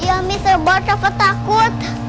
iya mi sebot rafa takut